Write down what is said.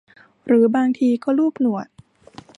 หรือบางทีก็ลูบหนวด